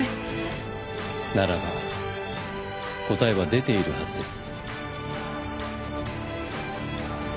ならば答えは出ているはずです。